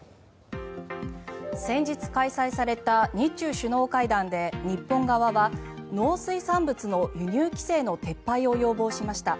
先日開催された日中首脳会談で日本側は農水産物の輸入規制の撤廃を要望しました。